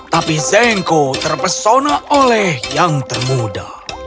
tapi zengko terpesona oleh yang termuda